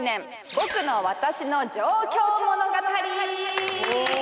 僕の私の上京物語。